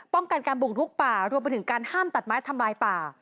ป้องกันการบุกลุกป่ารวมไปถึงการห้ามตัดไม้ทำลายป่า